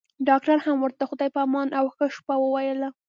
ډاکټر هم ورته خدای په امان او ښه شپه وويله.